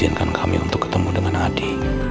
dia mengajinkan kami untuk ketemu dengan adi